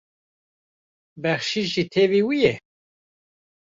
Bexşîş jî tevî wê ye?